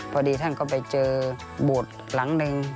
พอดีท่านก็ไปเจอโบสถ์หลังหนึ่ง